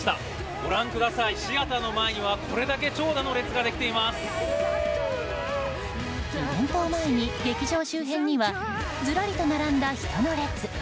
ご覧ください、シアターの前にはイベントを前に劇場周辺にはずらりと並んだ人の列。